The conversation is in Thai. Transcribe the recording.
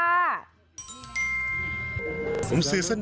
เออเดี๋ยวนะ